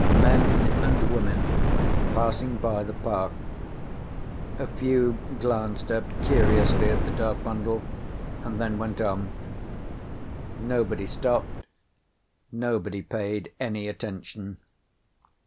Men and women, passing by the park. A few glanced up curiously at the dark bundle and then went on. Nobody stopped. Nobody paid any attention.